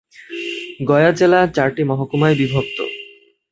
গয়া জেলা চারটি মহকুমায় বিভক্ত।